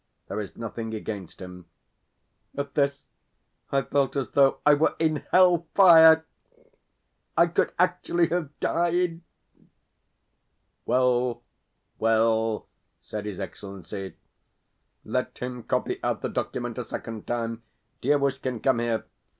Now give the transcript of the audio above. There is nothing against him." At this I felt as though I were in Hell fire. I could actually have died! "Well, well," said his Excellency, "let him copy out the document a second time. Dievushkin, come here.